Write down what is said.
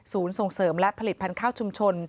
ศูนย์ส่งเสริมและผลิตพันธุ์ข้าวชุมชน